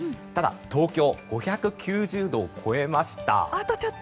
ただ、東京５９０度を超えました。